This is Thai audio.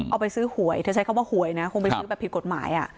เอาไปซื้อหวยเธอใช้คำว่าหวยนะคงไปซื้อแบบผิดกฎหมาย